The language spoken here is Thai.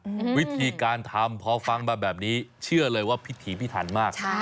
อืมวิธีการทำเพราะฟังมาแบบนี้เชื่อเลยว่าพิธีพิธรรมมากใช่